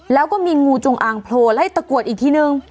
แล้วก็มีงูจงอางโผล่ไล่ตะกรวดอีกทีนึง